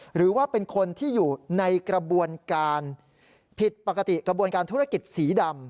หรือว่าเป็นคนที่อยู่ในกระบวนการผิดปกติกระบวนการธุรกิจสีดำ